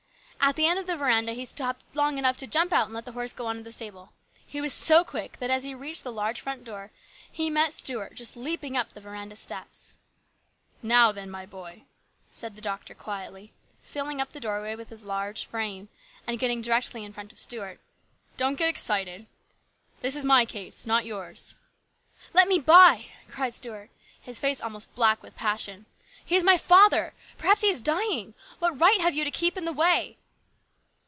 At the end of the veranda he stopped long enough to jump out and let the horse go on to the stable. He was so quick that, as he reached the large front door, he met Stuart just leaping up the veranda steps. "Now then, my boy," said the doctor quietly, filling up the doorway with his large frame, and 2 18 HIS BROTHER'S KEEPER. getting directly in front of Stuart, " don't get excited. This is my case, not yours." " Let me by !" cried Stuart, his face almost black with passion. " He is my father ! Perhaps he is dying ! What right have you to keep in the way